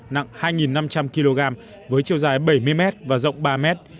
nặng hai năm trăm linh kg với chiều dài bảy mươi mét và rộng ba mét